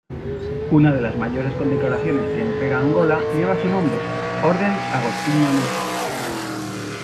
Una de las mayores condecoraciones que entrega Angola lleva su nombre: Orden Agostinho Neto.